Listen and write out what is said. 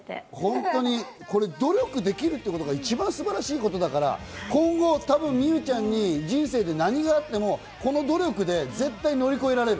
本当に努力できることが一番素晴らしいことだから、今後、美羽ちゃんに人生で何があっても、この努力で絶対、乗り越えられる。